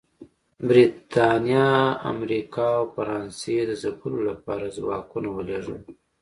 برېټانیا، امریکا او فرانسې د ځپلو لپاره ځواکونه ولېږل